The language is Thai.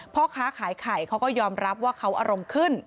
พ่อค้าขายไข่เขาก็ยอมรับว่าเขาอารมณ์ขึ้น